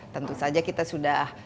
tentu saja kita sudah